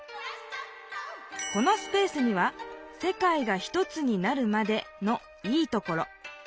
このスペースには「世界がひとつになるまで」の「いいところ」。